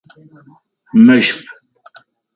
Мэшб.